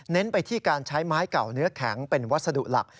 ไปที่การใช้ไม้เก่าเนื้อแข็งเป็นวัสดุหลัก